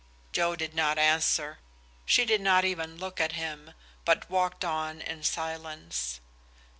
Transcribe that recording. Joe did not answer; she did not even look at him, but walked on in silence.